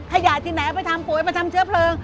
ขยะที่ไหนไปทำปุ๋ยมาทำเชื้อเพลิง